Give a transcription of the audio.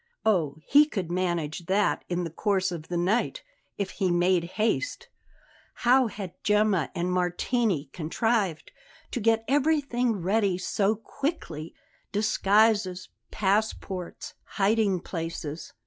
Oh, he could manage that in the course of the night if he made haste How had Gemma and Martini contrived to get everything ready so quickly disguises, passports, hiding places?